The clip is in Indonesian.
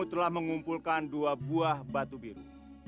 aku sudah mengumpulkan dua buah batu biru